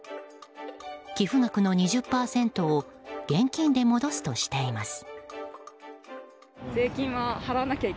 寄付額の２０％を現金で戻すとしています。